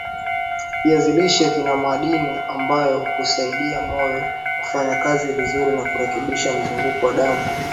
viazi lishe vina madini ambayo husaidia moyo kufanyakazi vizuri na kurekebisha mzunguko wa damu